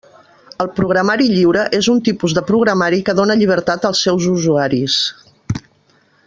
El programari lliure és un tipus de programari que dóna llibertat als seus usuaris.